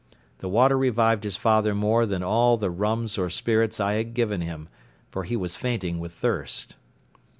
The water revived his father more than all the rum or spirits I had given him, for he was fainting with thirst.